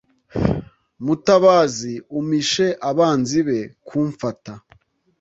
Mutabazi umpishe abanzi be kumfata